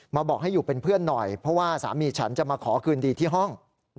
บอกให้อยู่เป็นเพื่อนหน่อยเพราะว่าสามีฉันจะมาขอคืนดีที่ห้อง